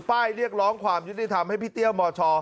เรียกร้องความยุติธรรมให้พี่เตี้ยมช